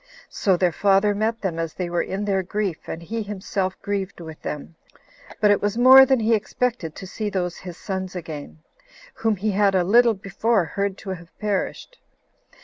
So their father met them as they were in their grief, and he himself grieved with them; but it was more than he expected to see those his sons again, whom he had a little before heard to have perished.